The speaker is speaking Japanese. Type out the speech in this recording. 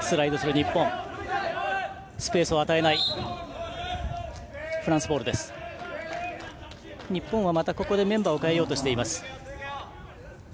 日本またメンバーを代えようとしています。